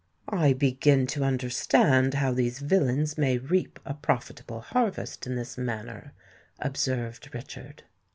"I begin to understand how these villains may reap a profitable harvest in this manner," observed Richard.